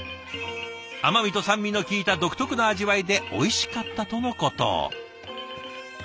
甘みと酸味の効いた独特な味わいでおいしかったとのこと。